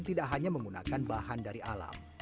tidak hanya menggunakan bahan dari alam